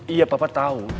iya papa tahu